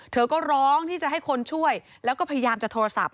เธอก็ร้องที่จะให้คนช่วยแล้วก็พยายามจะโทรศัพท์